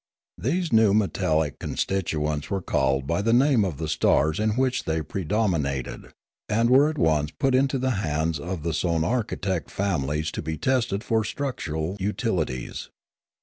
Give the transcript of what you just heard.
These new metallic constituents were called by the name of the stars in which they predominated, and were at once put into the hands of the sonarchitect families 172 Limanora to be tested for structural utilities.